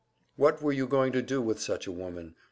What were you going to do with such a woman?